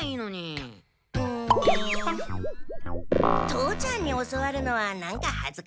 父ちゃんに教わるのはなんかはずかしくって。